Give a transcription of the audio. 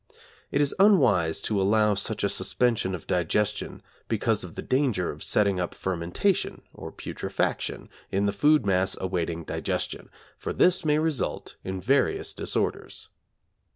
It is unwise to allow such a suspension of digestion because of the danger of setting up fermentation, or putrefaction, in the food mass awaiting digestion, for this may result in various disorders.